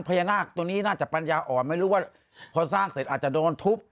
พญานาคตัวนี้น่าจะปัญญาอ่อนไม่รู้ว่าพอสร้างเสร็จอาจจะโดนทุบ